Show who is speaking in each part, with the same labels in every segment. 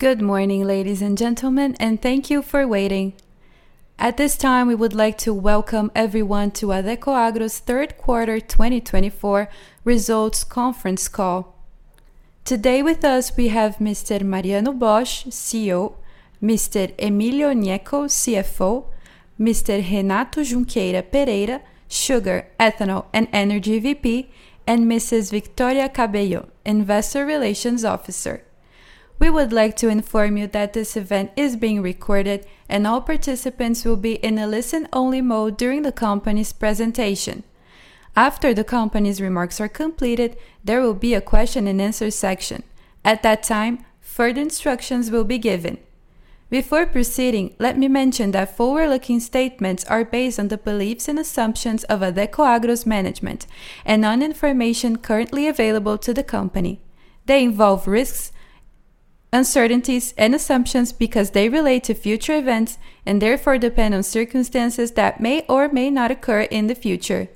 Speaker 1: Good morning, ladies and gentlemen, and thank you for waiting. At this time, we would like to welcome everyone to Adecoagro's third quarter 2024 results conference call. Today with us, we have Mr. Mariano Bosch, CEO, Mr. Emilio Gnecco, CFO, Mr. Renato Junqueira Pereira, Sugar, Ethanol, and Energy VP, and Mrs. Victoria Cabello, Investor Relations Officer. We would like to inform you that this event is being recorded, and all participants will be in a listen-only mode during the company's presentation. After the company's remarks are completed, there will be a question-and-answer section. At that time, further instructions will be given. Before proceeding, let me mention that forward-looking statements are based on the beliefs and assumptions of Adecoagro's management and on information currently available to the company. They involve risks, uncertainties, and assumptions because they relate to future events and therefore depend on circumstances that may or may not occur in the future.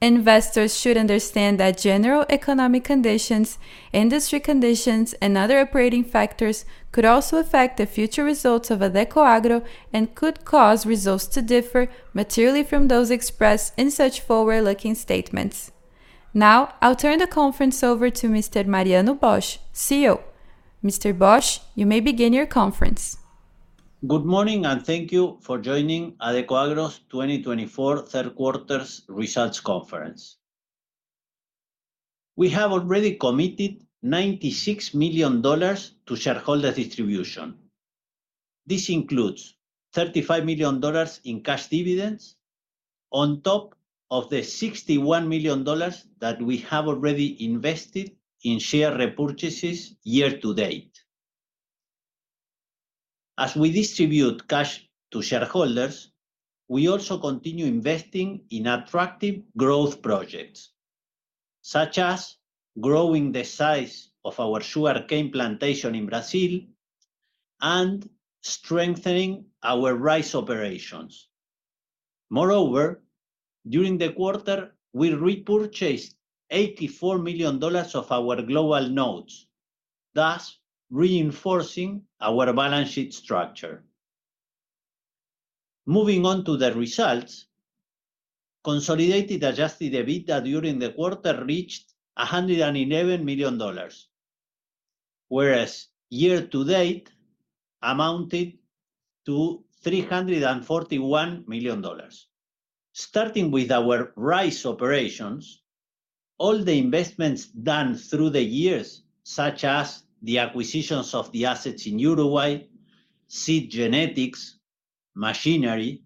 Speaker 1: Investors should understand that general economic conditions, industry conditions, and other operating factors could also affect the future results of Adecoagro and could cause results to differ materially from those expressed in such forward-looking statements. Now, I'll turn the conference over to Mr. Mariano Bosch, CEO. Mr. Bosch, you may begin your conference.
Speaker 2: Good morning, and thank you for joining Adecoagro's 2024 third quarter results conference. We have already committed $96 million to shareholder distribution. This includes $35 million in cash dividends on top of the $61 million that we have already invested in share repurchases year to date. As we distribute cash to shareholders, we also continue investing in attractive growth projects, such as growing the size of our sugar cane plantation in Brazil and strengthening our rice operations. Moreover, during the quarter, we repurchased $84 million of our global notes, thus reinforcing our balance sheet structure. Moving on to the results, consolidated Adjusted EBITDA during the quarter reached $111 million, whereas year to date amounted to $341 million. Starting with our rice operations, all the investments done through the years, such as the acquisitions of the assets in Uruguay, seed genetics, machinery,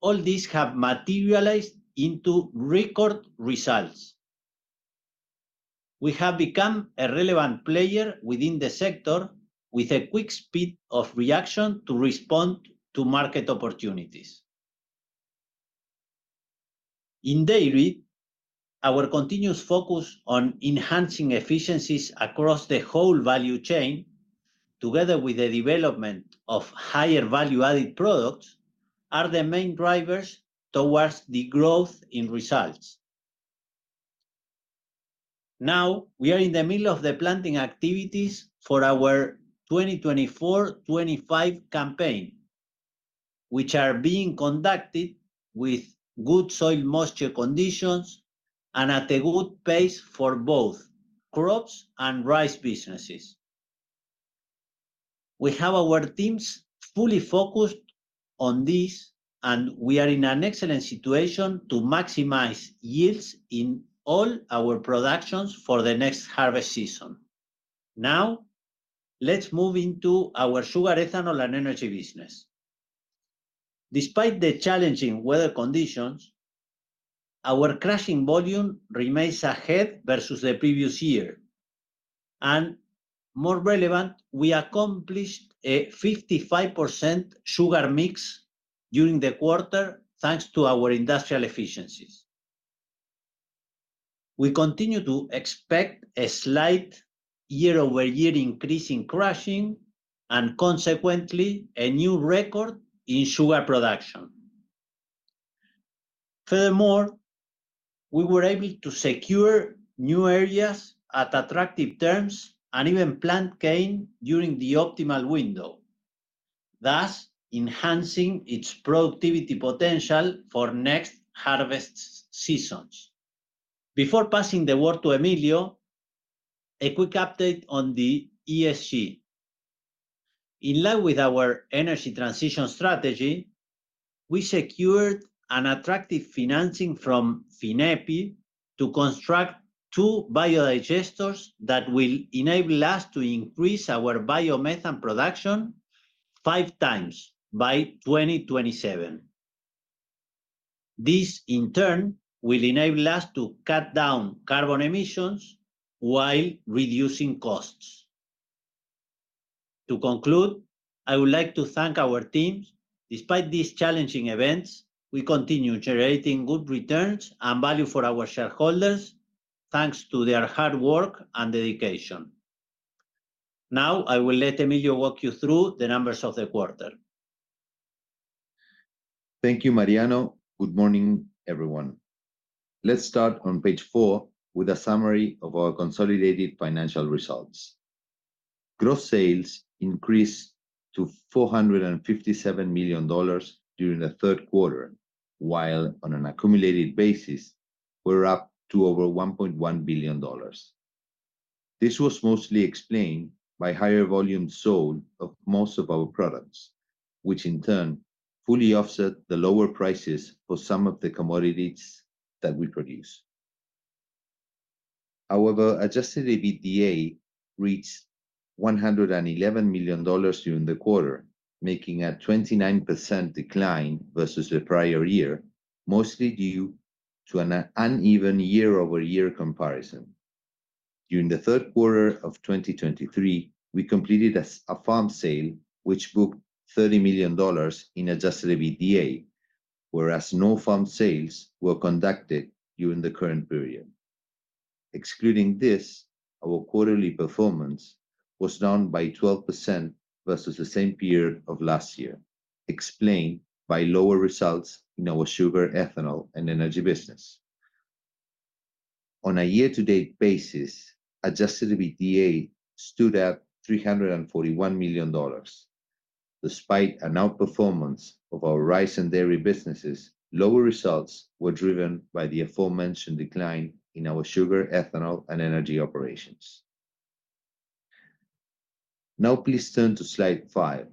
Speaker 2: all these have materialized into record results. We have become a relevant player within the sector with a quick speed of reaction to respond to market opportunities. In dairy, our continuous focus on enhancing efficiencies across the whole value chain, together with the development of higher value-added products, are the main drivers towards the growth in results. Now, we are in the middle of the planting activities for our 2024-25 campaign, which are being conducted with good soil moisture conditions and at a good pace for both crops and rice businesses. We have our teams fully focused on this, and we are in an excellent situation to maximize yields in all our productions for the next harvest season. Now, let's move into our sugar, ethanol, and energy business. Despite the challenging weather conditions, our crushing volume remains ahead versus the previous year. More relevant, we accomplished a 55% sugar mix during the quarter thanks to our industrial efficiencies. We continue to expect a slight year-over-year increase in crushing and, consequently, a new record in sugar production. Furthermore, we were able to secure new areas at attractive terms and even plant cane during the optimal window, thus enhancing its productivity potential for next harvest seasons. Before passing the word to Emilio, a quick update on the ESG. In line with our energy transition strategy, we secured attractive financing from FINEP to construct two biodigesters that will enable us to increase our biomethane production five times by 2027. This, in turn, will enable us to cut down carbon emissions while reducing costs. To conclude, I would like to thank our teams. Despite these challenging events, we continue generating good returns and value for our shareholders thanks to their hard work and dedication. Now, I will let Emilio walk you through the numbers of the quarter.
Speaker 3: Thank you, Mariano. Good morning, everyone. Let's start on page four with a summary of our consolidated financial results. Gross sales increased to $457 million during the third quarter, while on an accumulated basis, we're up to over $1.1 billion. This was mostly explained by higher volume sold of most of our products, which in turn fully offset the lower prices for some of the commodities that we produce. However, Adjusted EBITDA reached $111 million during the quarter, making a 29% decline versus the prior year, mostly due to an uneven year-over-year comparison. During the third quarter of 2023, we completed a farm sale, which booked $30 million in Adjusted EBITDA, whereas no farm sales were conducted during the current period. Excluding this, our quarterly performance was down by 12% versus the same period of last year, explained by lower results in our sugar, ethanol, and energy business. On a year-to-date basis, Adjusted EBITDA stood at $341 million. Despite an outperformance of our rice and dairy businesses, lower results were driven by the aforementioned decline in our sugar, ethanol, and energy operations. Now, please turn to slide five.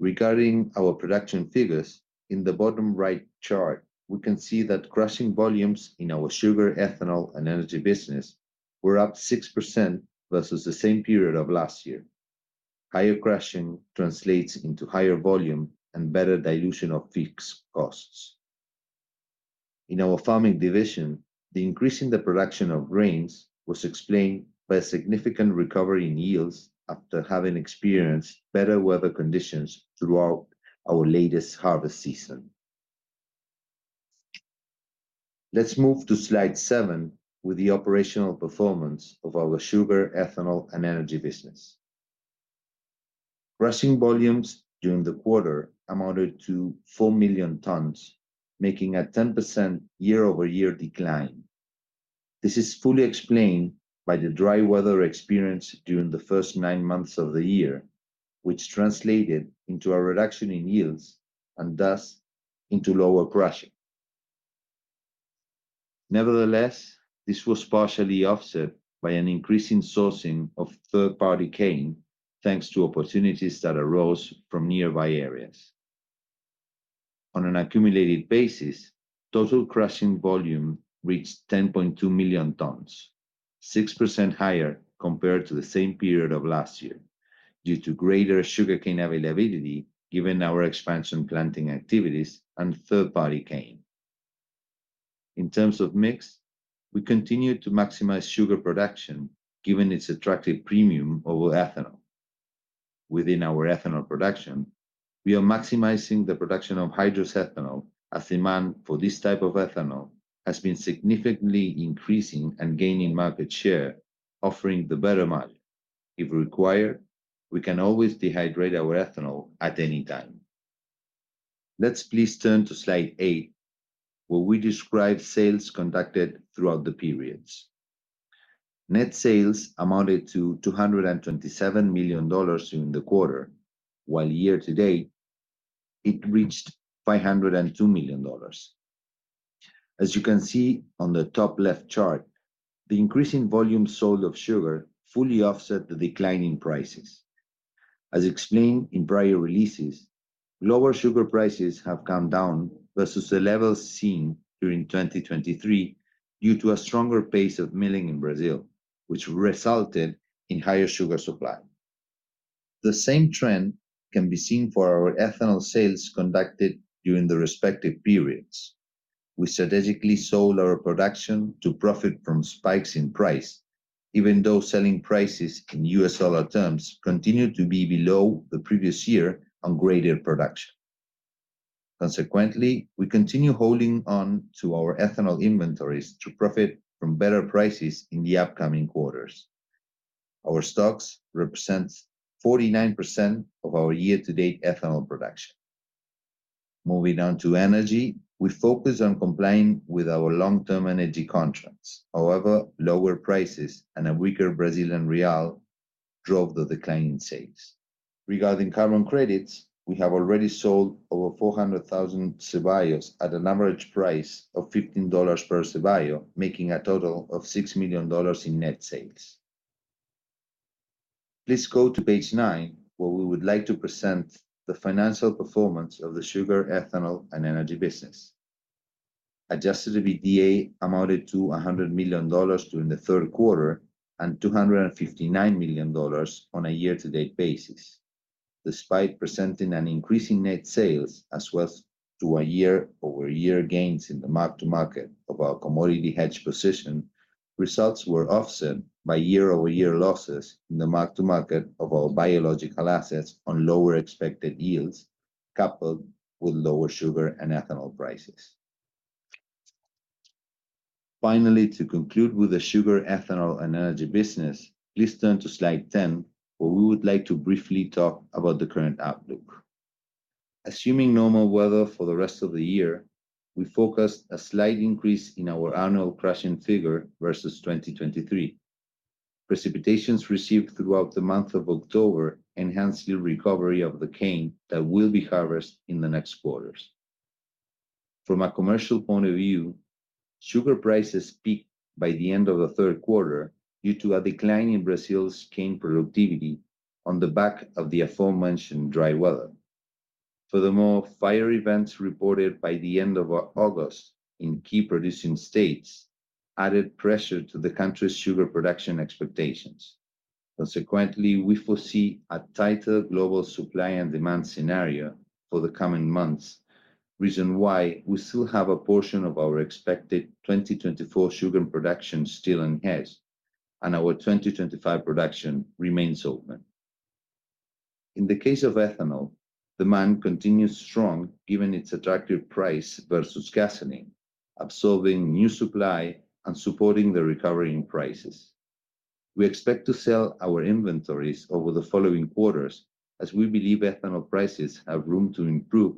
Speaker 3: Regarding our production figures, in the bottom right chart, we can see that crushing volumes in our sugar, ethanol, and energy business were up 6% versus the same period of last year. Higher crushing translates into higher volume and better dilution of fixed costs. In our farming division, the increase in the production of grains was explained by a significant recovery in yields after having experienced better weather conditions throughout our latest harvest season. Let's move to slide seven with the operational performance of our sugar, ethanol, and energy business. Crushing volumes during the quarter amounted to 4 million tons, making a 10% year-over-year decline. This is fully explained by the dry weather experienced during the first nine months of the year, which translated into a reduction in yields and thus into lower crushing. Nevertheless, this was partially offset by an increasing sourcing of third-party cane thanks to opportunities that arose from nearby areas. On an accumulated basis, total crushing volume reached 10.2 million tons, 6% higher compared to the same period of last year due to greater sugarcane availability given our expansion planting activities and third-party cane. In terms of mix, we continue to maximize sugar production given its attractive premium over ethanol. Within our ethanol production, we are maximizing the production of hydrous ethanol as demand for this type of ethanol has been significantly increasing and gaining market share, offering the better margin. If required, we can always dehydrate our ethanol at any time. Let's please turn to slide eight, where we describe sales conducted throughout the periods. Net sales amounted to $227 million during the quarter, while year to date it reached $502 million. As you can see on the top left chart, the increasing volume sold of sugar fully offset the declining prices. As explained in prior releases, lower sugar prices have come down versus the levels seen during 2023 due to a stronger pace of milling in Brazil, which resulted in higher sugar supply. The same trend can be seen for our ethanol sales conducted during the respective periods. We strategically sold our production to profit from spikes in price, even though selling prices in US dollar terms continued to be below the previous year on greater production. Consequently, we continue holding on to our ethanol inventories to profit from better prices in the upcoming quarters. Our stocks represent 49% of our year-to-date ethanol production. Moving on to energy, we focus on complying with our long-term energy contracts. However, lower prices and a weaker Brazilian real drove the decline in sales. Regarding carbon credits, we have already sold over 400,000 CBIOs at an average price of $15 per CBIO, making a total of $6 million in net sales. Please go to page nine, where we would like to present the financial performance of the sugar, ethanol, and energy business. Adjusted EBITDA amounted to $100 million during the third quarter and $259 million on a year-to-date basis. Despite presenting an increasing net sales as well to our year-over-year gains in the mark-to-market of our commodity hedge position, results were offset by year-over-year losses in the mark-to-market of our biological assets on lower expected yields coupled with lower sugar and ethanol prices. Finally, to conclude with the sugar, ethanol, and energy business, please turn to slide 10, where we would like to briefly talk about the current outlook. Assuming normal weather for the rest of the year, we forecast a slight increase in our annual crushing figure versus 2023. Precipitation received throughout the month of October enhanced the recovery of the cane that will be harvested in the next quarters. From a commercial point of view, sugar prices peaked by the end of the third quarter due to a decline in Brazil's cane productivity on the back of the aforementioned dry weather. Furthermore, fire events reported by the end of August in key producing states added pressure to the country's sugar production expectations. Consequently, we foresee a tighter global supply and demand scenario for the coming months, reason why we still have a portion of our expected 2024 sugar production still in hedge and our 2025 production remains open. In the case of ethanol, demand continues strong given its attractive price versus gasoline, absorbing new supply and supporting the recovering prices. We expect to sell our inventories over the following quarters as we believe ethanol prices have room to improve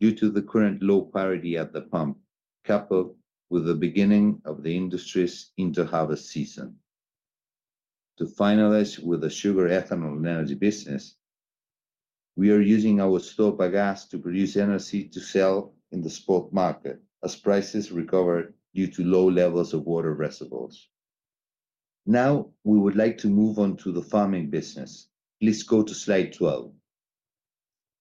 Speaker 3: due to the current low parity at the pump coupled with the beginning of the industry's interharvest season. To finalize with the sugar, ethanol, and energy business, we are using our bagasse to produce energy to sell in the spot market as prices recover due to low levels of water reservoirs. Now, we would like to move on to the farming business. Please go to slide 12.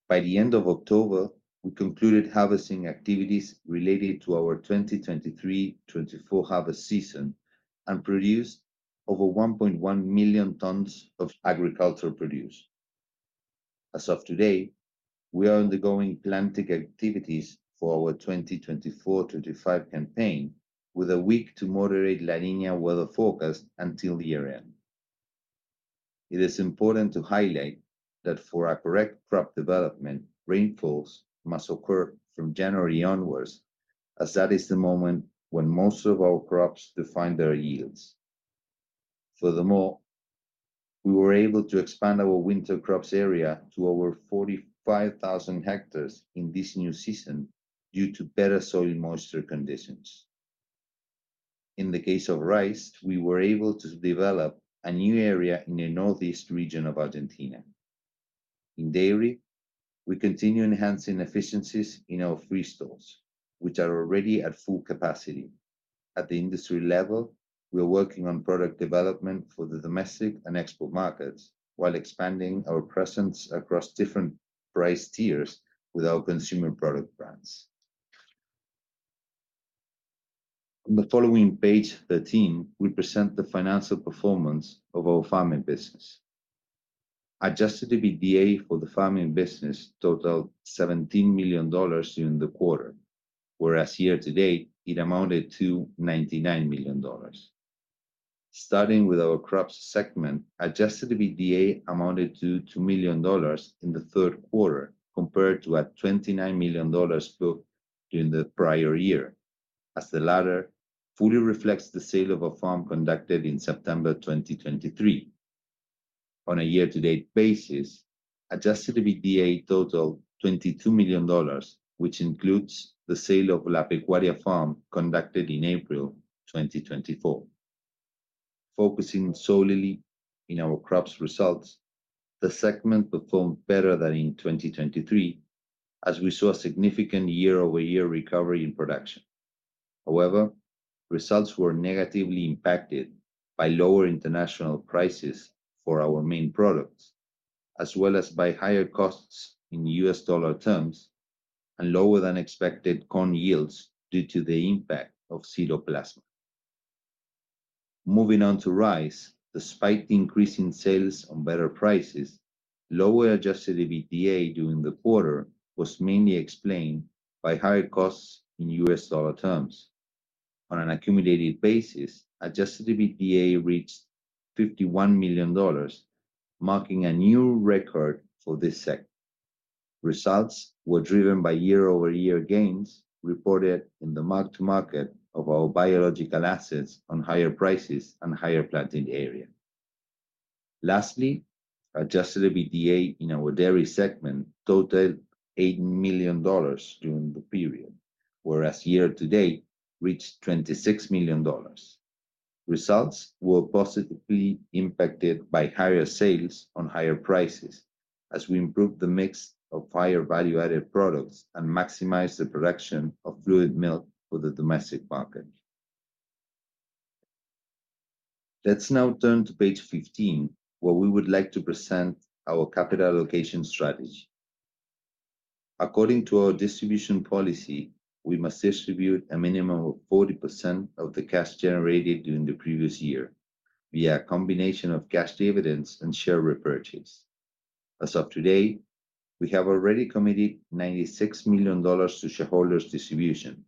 Speaker 3: By the end of October, we concluded harvesting activities related to our 2023-24 harvest season and produced over 1.1 million tons of agricultural produce. As of today, we are undergoing planting activities for our 2024-25 campaign with a weak to moderate La Niña weather forecast until the year end. It is important to highlight that for our correct crop development, rainfalls must occur from January onwards, as that is the moment when most of our crops define their yields. Furthermore, we were able to expand our winter crops area to over 45,000 hectares in this new season due to better soil moisture conditions. In the case of rice, we were able to develop a new area in the Northeast region of Argentina. In dairy, we continue enhancing efficiencies in our free stalls, which are already at full capacity. At the industry level, we are working on product development for the domestic and export markets while expanding our presence across different price tiers with our consumer product brands. On the following page 13, we present the financial performance of our farming business. Adjusted EBITDA for the farming business totaled $17 million during the quarter, whereas year to date it amounted to $99 million. Starting with our crops segment, adjusted EBITDA amounted to $2 million in the third quarter compared to a $29 million booked during the prior year, as the latter fully reflects the sale of a farm conducted in September 2023. On a year-to-date basis, adjusted EBITDA totaled $22 million, which includes the sale of La Pecuaria Farm conducted in April 2024. Focusing solely on our crops results, the segment performed better than in 2023, as we saw a significant year-over-year recovery in production. However, results were negatively impacted by lower international prices for our main products, as well as by higher costs in U.S. dollar terms and lower than expected corn yields due to the impact of Spiroplasma. Moving on to rice, despite increasing sales on better prices, lower adjusted EBITDA during the quarter was mainly explained by higher costs in U.S. dollar terms. On an accumulated basis, adjusted EBITDA reached $51 million, marking a new record for this segment. Results were driven by year-over-year gains reported in the mark-to-market of our biological assets on higher prices and higher planting area. Lastly, adjusted EBITDA in our dairy segment totaled $8 million during the period, whereas year to date reached $26 million. Results were positively impacted by higher sales on higher prices as we improved the mix of higher value-added products and maximized the production of fluid milk for the domestic market. Let's now turn to page 15, where we would like to present our capital allocation strategy. According to our distribution policy, we must distribute a minimum of 40% of the cash generated during the previous year via a combination of cash dividends and share repurchase. As of today, we have already committed $96 million to shareholders' distribution,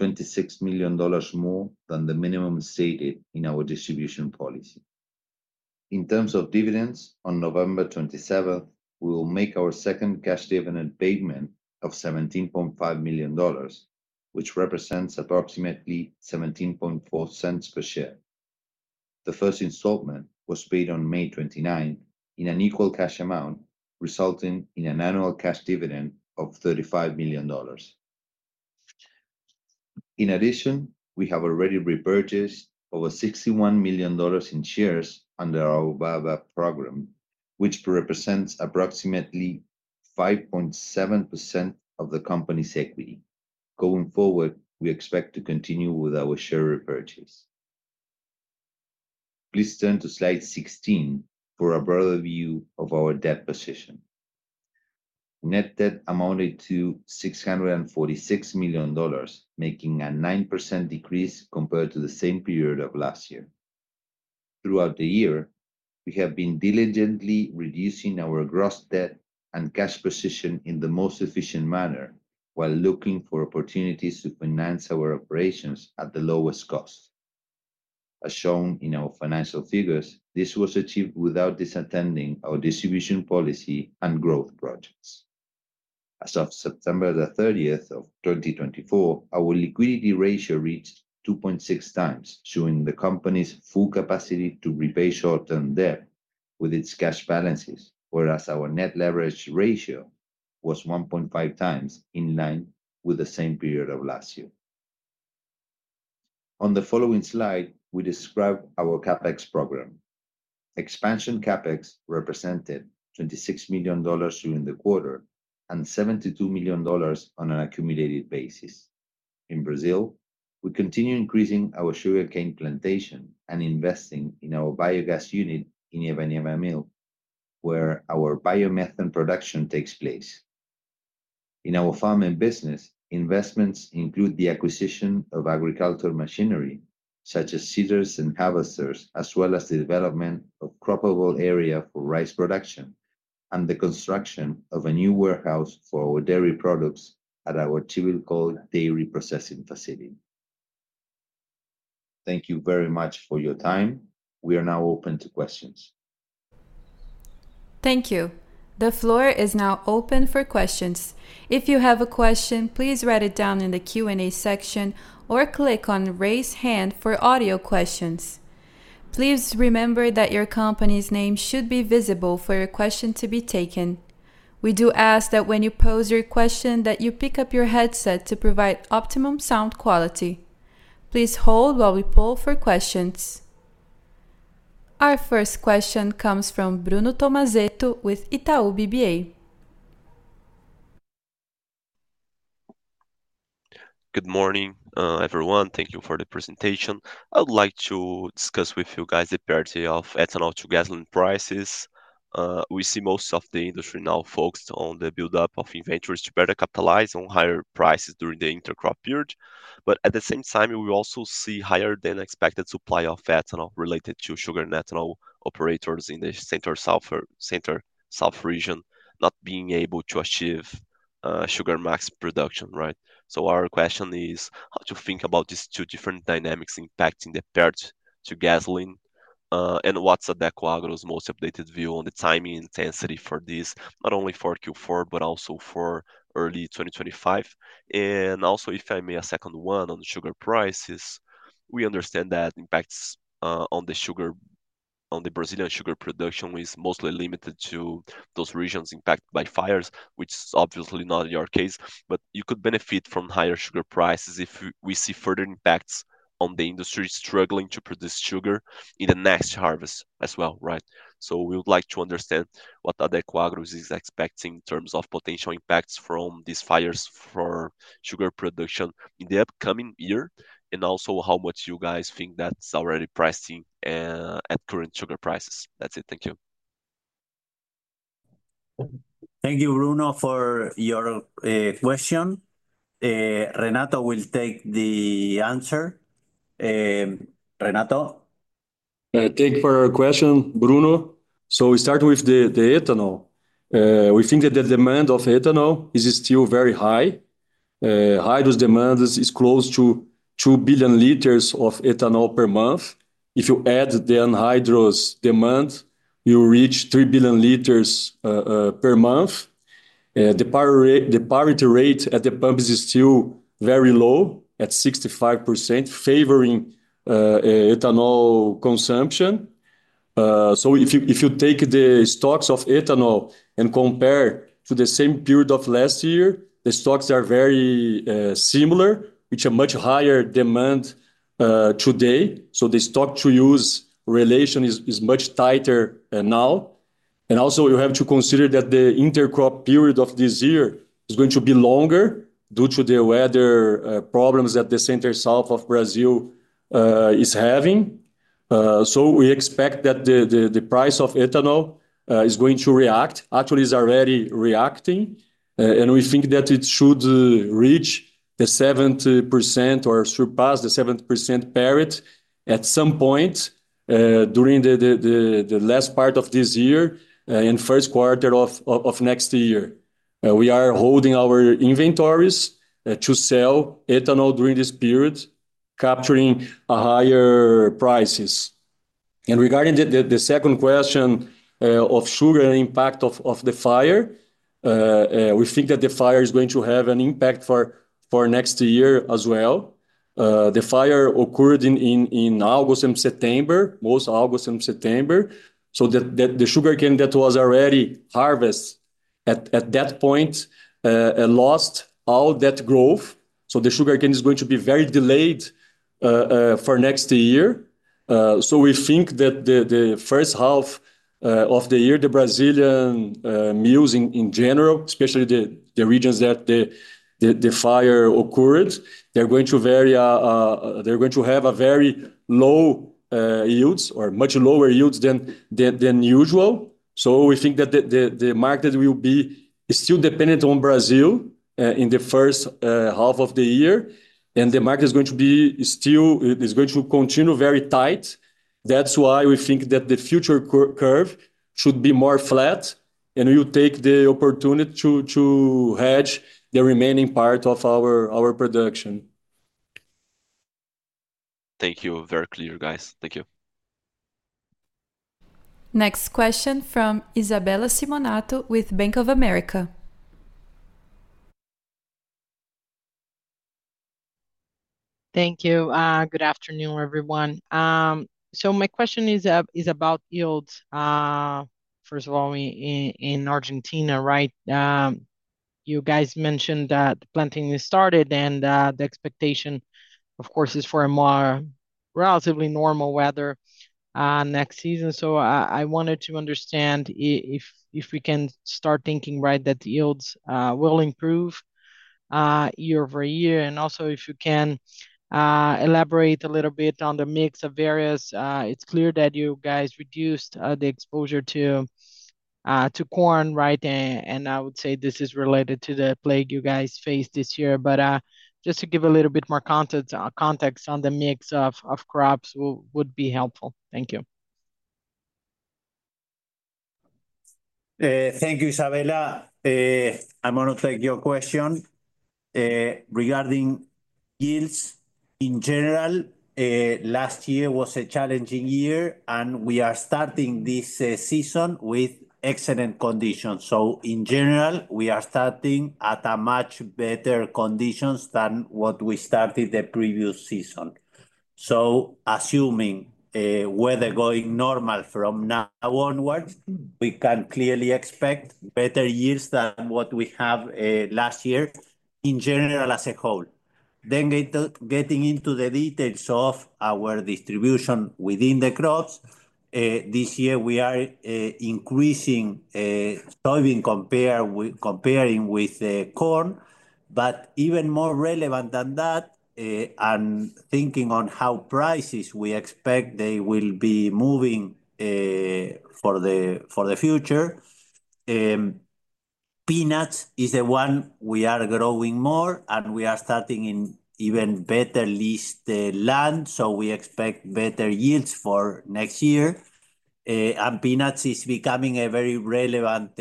Speaker 3: $26 million more than the minimum stated in our distribution policy. In terms of dividends, on November 27th, we will make our second cash dividend payment of $17.5 million, which represents approximately $0.174 per share. The first installment was paid on May 29th in an equal cash amount, resulting in an annual cash dividend of $35 million. In addition, we have already repurchased over $61 million in shares under our buyback program, which represents approximately 5.7% of the company's equity. Going forward, we expect to continue with our share repurchase. Please turn to slide 16 for a broader view of our debt position. Net debt amounted to $646 million, making a 9% decrease compared to the same period of last year. Throughout the year, we have been diligently reducing our gross debt and cash position in the most efficient manner while looking for opportunities to finance our operations at the lowest cost. As shown in our financial figures, this was achieved without compromising our distribution policy and growth projects. As of September 30th 2024, our liquidity ratio reached 2.6 times, showing the company's full capacity to repay short-term debt with its cash balances, whereas our net leverage ratio was 1.5 times in line with the same period of last year. On the following slide, we describe our CapEx program. Expansion CapEx represented $26 million during the quarter and $72 million on an accumulated basis. In Brazil, we continue increasing our sugar cane plantation and investing in our biogas unit in Ivinhema Mill, where our biomethane production takes place. In our farming business, investments include the acquisition of agricultural machinery such as seeders and harvesters, as well as the development of croppable area for rice production and the construction of a new warehouse for our dairy products at our typical dairy processing facility. Thank you very much for your time. We are now open to questions.
Speaker 1: Thank you. The floor is now open for questions. If you have a question, please write it down in the Q&A section or click on raise hand for audio questions. Please remember that your company's name should be visible for your question to be taken. We do ask that when you pose your question, that you pick up your headset to provide optimum sound quality. Please hold while we poll for questions. Our first question comes from Bruno Tomazetto with Itaú BBA.
Speaker 4: Good morning, everyone. Thank you for the presentation. I would like to discuss with you guys the parity of ethanol to gasoline prices. We see most of the industry now focused on the buildup of inventories to better capitalize on higher prices during the intercrop period. But at the same time, we also see higher than expected supply of ethanol related to sugar and ethanol operators in the Central-South region not being able to achieve sugar max production. Right? So our question is how to think about these two different dynamics impacting the parity to gasoline and what's Adecoagro's most updated view on the timing intensity for this, not only for Q4, but also for early 2025. And also, if I may, a second one on the sugar prices. We understand that impacts on the sugar, on the Brazilian sugar production is mostly limited to those regions impacted by fires, which is obviously not in your case, but you could benefit from higher sugar prices if we see further impacts on the industry struggling to produce sugar in the next harvest as well. Right? So we would like to understand what Adecoagro is expecting in terms of potential impacts from these fires for sugar production in the upcoming year and also how much you guys think that's already pricing at current sugar prices. That's it. Thank you.
Speaker 2: Thank you, Bruno, for your question. Renato will take the answer. Renato.
Speaker 5: Thank you for your question, Bruno. So we start with the ethanol. We think that the demand of ethanol is still very high. Hydrous demand is close to 2 billion liters of ethanol per month. If you add the anhydrous demand, you reach 3 billion liters per month. The parity rate at the pump is still very low at 65%, favoring ethanol consumption. So if you take the stocks of ethanol and compare to the same period of last year, the stocks are very similar, which are much higher demand today. So the stock-to-use relation is much tighter now. And also, you have to consider that the intercrop period of this year is going to be longer due to the weather problems that the Central-South of Brazil is having. So we expect that the price of ethanol is going to react. Actually, it's already reacting, and we think that it should reach the 7% or surpass the 7% parity at some point during the last part of this year and first quarter of next year. We are holding our inventories to sell ethanol during this period, capturing higher prices. And regarding the second question of sugar and impact of the fire, we think that the fire is going to have an impact for next year as well. The fire occurred in August and September, mostly August and September, so that the sugarcane that was already harvested at that point lost all that growth. So the sugarcane is going to be very delayed for next year. So we think that the first half of the year, the Brazilian mills in general, especially the regions that the fire occurred, they're going to have a very low yields or much lower yields than usual. So we think that the market will be still dependent on Brazil in the first half of the year, and the market is going to be still, is going to continue very tight. That's why we think that the future curve should be more flat, and we will take the opportunity to hedge the remaining part of our production.
Speaker 4: Thank you. Very clear, guys. Thank you.
Speaker 1: Next question from Isabella Simonato with Bank of America.
Speaker 6: Thank you. Good afternoon, everyone. So my question is about yields. First of all, in Argentina, right, you guys mentioned that the planting has started and the expectation, of course, is for a more relatively normal weather next season. So I wanted to understand if we can start thinking, right, that the yields will improve year over year. Also, if you can elaborate a little bit on the mix of various, it's clear that you guys reduced the exposure to corn, right? And I would say this is related to the plague you guys faced this year. But just to give a little bit more context on the mix of crops would be helpful. Thank you.
Speaker 2: Thank you, Isabella. I'm going to take your question regarding yields in general. Last year was a challenging year, and we are starting this season with excellent conditions. So in general, we are starting at much better conditions than what we started the previous season. So assuming weather going normal from now onwards, we can clearly expect better years than what we have last year in general as a whole. Then getting into the details of our distribution within the crops, this year we are increasing soybean comparing with corn, but even more relevant than that and thinking on how prices we expect they will be moving for the future. Peanuts is the one we are growing more, and we are starting in even better leased land, so we expect better yields for next year, and peanuts is becoming a very relevant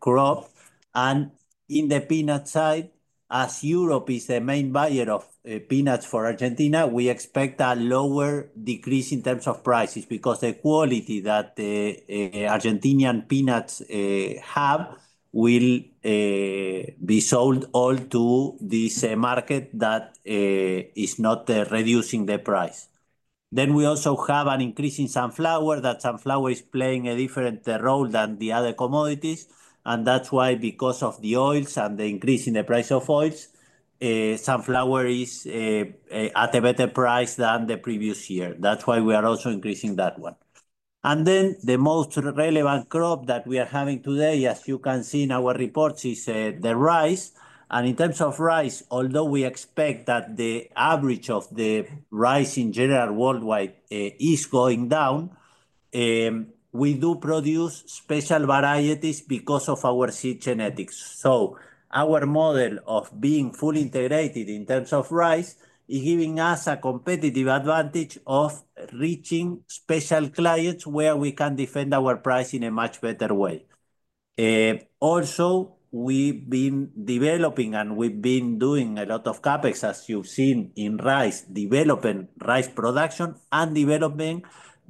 Speaker 2: crop, and in the peanut side, as Europe is the main buyer of peanuts for Argentina, we expect a lower decrease in terms of prices because the quality that Argentinian peanuts have will be sold all to this market that is not reducing the price, then we also have an increase in sunflower. That sunflower is playing a different role than the other commodities. That's why because of the oils and the increase in the price of oils, sunflower is at a better price than the previous year. That's why we are also increasing that one. The most relevant crop that we are having today, as you can see in our reports, is the rice. In terms of rice, although we expect that the average of the rice in general worldwide is going down, we do produce special varieties because of our seed genetics. Our model of being fully integrated in terms of rice is giving us a competitive advantage of reaching special clients where we can defend our price in a much better way. Also, we've been developing and we've been doing a lot of CapEx, as you've seen in rice, developing rice production and developing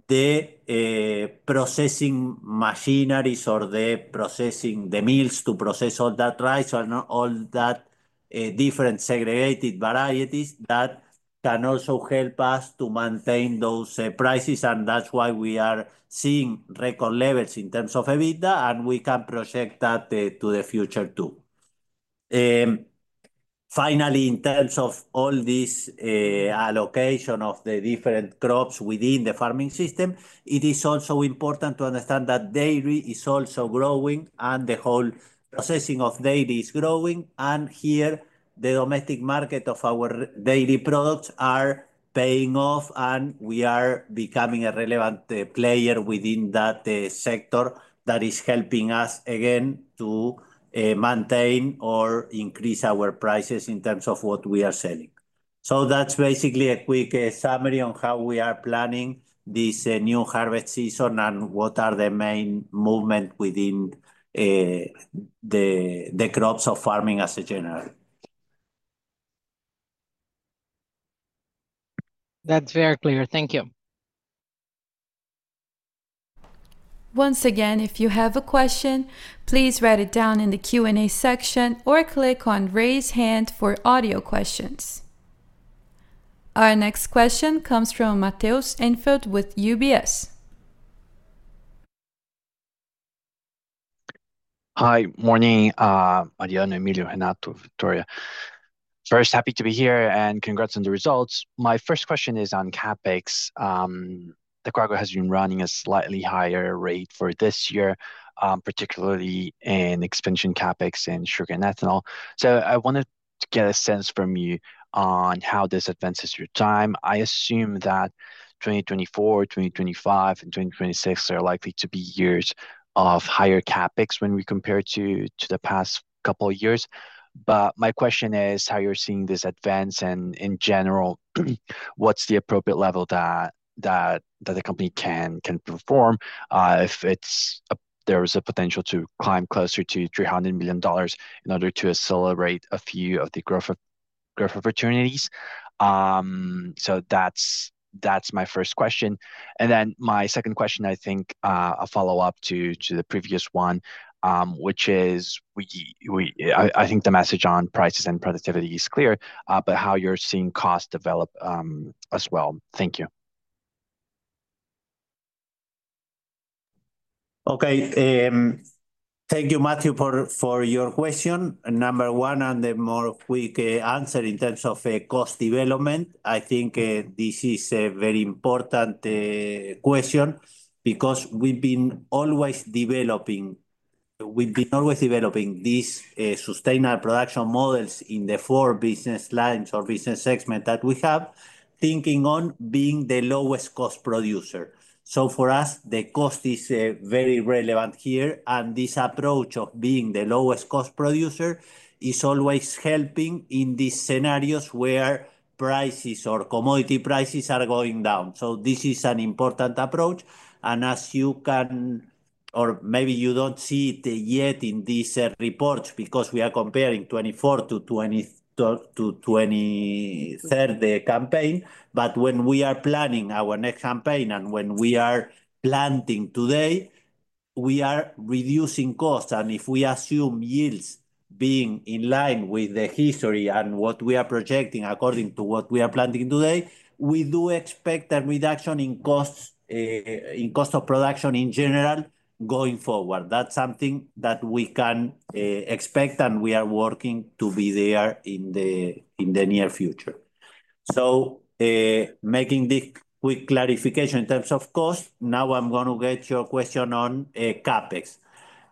Speaker 2: the processing machineries or the processing the mills to process all that rice and all that different segregated varieties that can also help us to maintain those prices. And that's why we are seeing record levels in terms of EBITDA, and we can project that to the future too. Finally, in terms of all this allocation of the different crops within the farming system, it is also important to understand that dairy is also growing and the whole processing of dairy is growing. And here, the domestic market of our dairy products are paying off, and we are becoming a relevant player within that sector that is helping us again to maintain or increase our prices in terms of what we are selling. So that's basically a quick summary on how we are planning this new harvest season and what are the main movements within the crops of farming as a general.
Speaker 6: That's very clear. Thank you.
Speaker 1: Once again, if you have a question, please write it down in the Q&A section or click on raise hand for audio questions. Our next question comes from Matheus Enfeldt with UBS.
Speaker 7: Hi, morning, Mariano, Emilio, Renato, Victoria. First, happy to be here and congrats on the results. My first question is on CapEx. Adecoagro has been running a slightly higher rate for this year, particularly in expansion CapEx in sugar and ethanol. So I wanted to get a sense from you on how this advances your timeline. I assume that 2024, 2025, and 2026 are likely to be years of higher CapEx when we compare to the past couple of years. But my question is how you're seeing this advance and in general, what's the appropriate level that the company can perform if there is a potential to climb closer to $300 million in order to accelerate a few of the growth opportunities? So that's my first question. And then my second question, I think a follow-up to the previous one, which is I think the message on prices and productivity is clear, but how you're seeing cost develop as well. Thank you.
Speaker 2: Okay. Thank you, Matthew, for your question. Number one and the more quick answer in terms of cost development, I think this is a very important question because we've been always developing these sustainable production models in the four business lines or business segments that we have, thinking on being the lowest cost producer. So for us, the cost is very relevant here. This approach of being the lowest cost producer is always helping in these scenarios where prices or commodity prices are going down. So this is an important approach. And as you can, or maybe you don't see it yet in these reports because we are comparing 2024 - 2023 campaign, but when we are planning our next campaign and when we are planting today, we are reducing costs. And if we assume yields being in line with the history and what we are projecting according to what we are planting today, we do expect a removeduction in costs of production in general going forward. That's something that we can expect, and we are working to be there in the near future. So making this quick clarification in terms of cost, now I'm going to get your question on CapEx.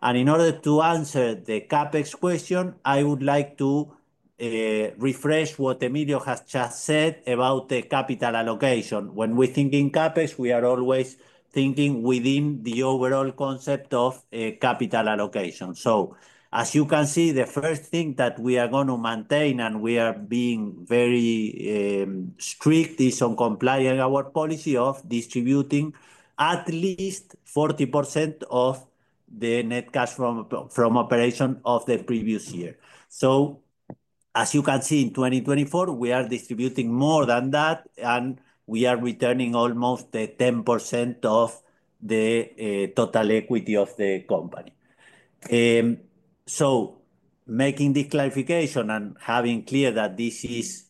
Speaker 2: And in order to answer the CapEx question, I would like to refresh what Emilio has just said about the capital allocation. When we think in CapEx, we are always thinking within the overall concept of capital allocation. So as you can see, the first thing that we are going to maintain and we are being very strict is on complying our policy of distributing at least 40% of the net cash from operation of the previous year. So as you can see, in 2024, we are distributing more than that, and we are returning almost 10% of the total equity of the company. So making this clarification and having clear that this is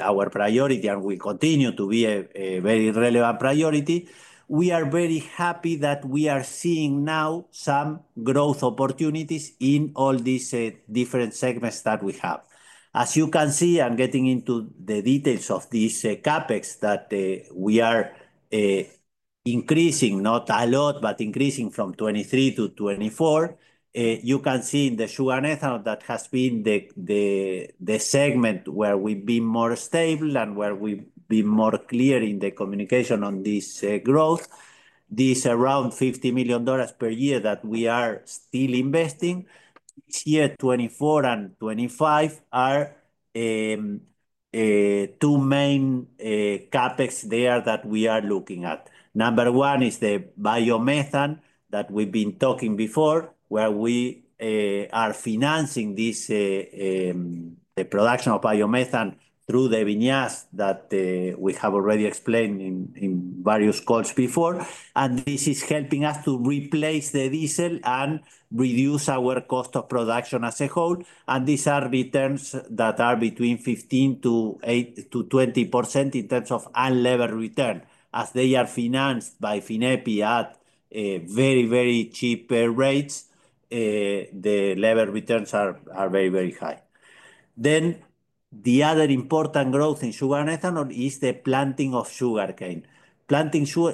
Speaker 2: our priority and will continue to be a very relevant priority, we are very happy that we are seeing now some growth opportunities in all these different segments that we have. As you can see, I'm getting into the details of this CapEx that we are increasing, not a lot, but increasing from 2023 - 2024. You can see in the sugar and ethanol that has been the segment where we've been more stable and where we've been more clear in the communication on this growth, these around $50 million per year that we are still investing. This year, 2024 and 2025 are two main CapEx there that we are looking at. Number one is the biomethane that we've been talking before, where we are financing the production of biomethane through the vinasse that we have already explained in various calls before. And this is helping us to replace the diesel and reduce our cost of production as a whole. And these are returns that are between 15% - 20% in terms of unlevered return. As they are financed by FINEP at very, very cheap rates, the levered returns are very, very high. Then the other important growth in sugar and ethanol is the planting of sugar cane.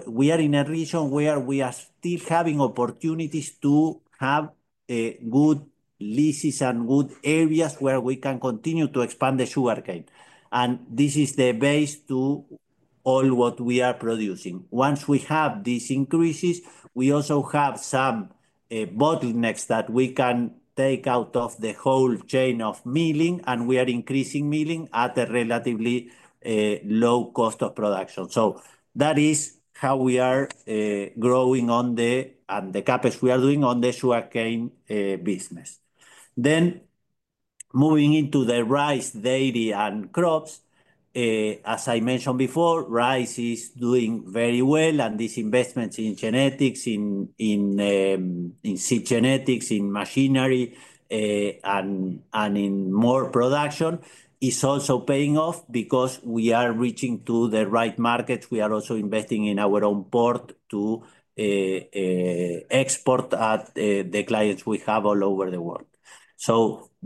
Speaker 2: We are in a region where we are still having opportunities to have good leases and good areas where we can continue to expand the sugar cane. And this is the basis to all what we are producing. Once we have these increases, we also have some bottlenecks that we can take out of the whole chain of milling, and we are increasing milling at a relatively low cost of production. So that is how we are growing on the CapEx we are doing on the sugar cane business. Then moving into the rice, dairy, and crops, as I mentioned before, rice is doing very well. These investments in genetics, in seed genetics, in machinery, and in more production is also paying off because we are reaching to the right markets. We are also investing in our own port to export at the clients we have all over the world.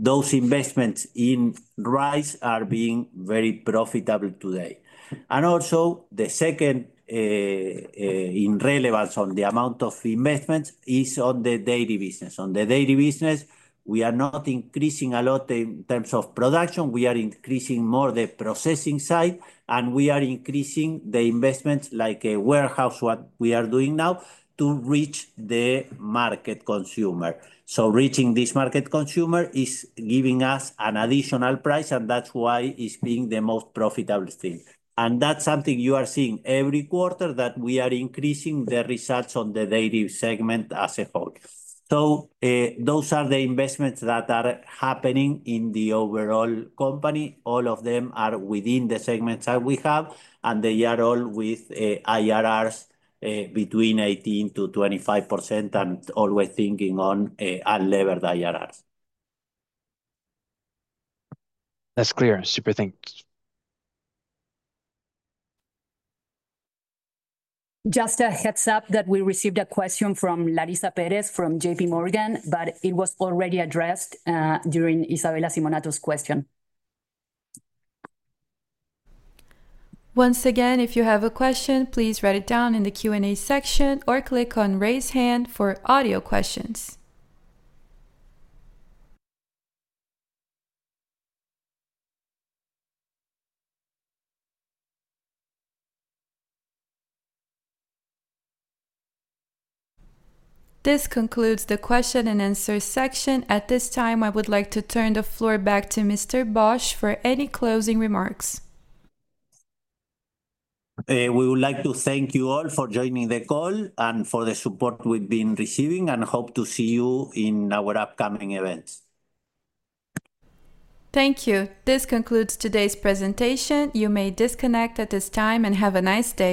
Speaker 2: Those investments in rice are being very profitable today. Also, the second in relevance on the amount of investments is on the dairy business. On the dairy business, we are not increasing a lot in terms of production. We are increasing more the processing side, and we are increasing the investments like a warehouse what we are doing now to reach the market consumer. Reaching this market consumer is giving us an additional price, and that's why it's being the most profitable thing. That's something you are seeing every quarter that we are increasing the results on the dairy segment as a whole. Those are the investments that are happening in the overall company. All of them are within the segments that we have, and they are all with IRRs between 18% - 25% and always thinking on unlevered IRRs.
Speaker 7: That's clear. Super thanks.
Speaker 8: Just a heads up that we received a question from Larissa Pérez from JPMorgan, but it was already addressed during Isabella Simonato's question.
Speaker 1: Once again, if you have a question, please write it down in the Q&A section or click on raise hand for audio questions. This concludes the question and answer section. At this time, I would like to turn the floor back to Mr. Bosch for any closing remarks.
Speaker 2: We would like to thank you all for joining the call and for the support we've been receiving, and hope to see you in our upcoming events.
Speaker 1: Thank you. This concludes today's presentation. You may disconnect at this time and have a nice day.